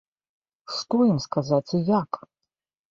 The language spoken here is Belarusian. Што ім сказаць і як?